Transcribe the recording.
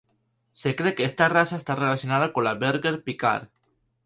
Se cree que esta raza está relacionada con la Berger Picard.